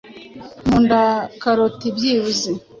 Nkunda karoti byibuze.